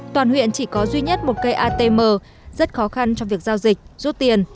toàn huyện chỉ có duy nhất một cây atm rất khó khăn trong việc giao dịch rút tiền